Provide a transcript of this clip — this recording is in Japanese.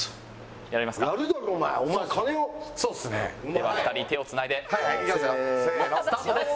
では２人手をつないでスタートです。